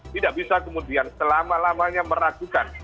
tidak bisa kemudian selama lamanya meragukan